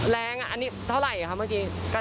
แรงอันนี้เท่าไหร่เหรอ